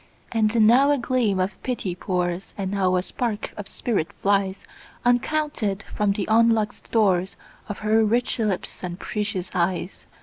And now a gleam of pity pours, And now a spark of spirit flies, Uncounted, from the unlock'd storesOf her rich lips and precious eyes.